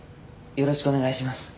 よろしくお願いします。